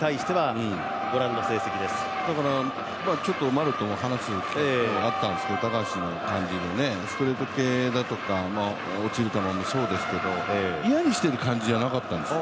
丸とも話す機会があったんですけど高橋の感じもストレート系だとか、落ちる球もそうですけど、嫌にしている感じはなかったんですよ。